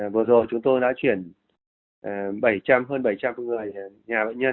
vừa rồi chúng tôi đã chuyển hơn bảy trăm linh người nhà bệnh nhân